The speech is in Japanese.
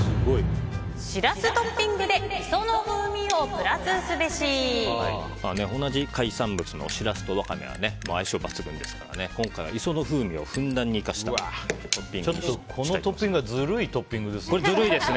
シラストッピングで同じ海産物のシラスとワカメは相性抜群ですから今回は磯の風味をふんだんに生かしたこのトッピングはずるいですね。